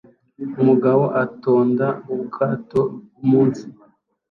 Umugabo atonda ubwato munsi